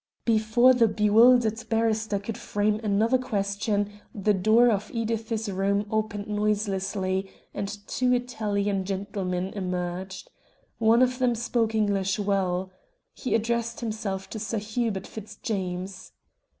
Before the bewildered barrister could frame another question the door of Edith's room opened noiselessly, and two Italian gentlemen emerged. One of them spoke English well. He addressed himself to Sir Hubert Fitzjames.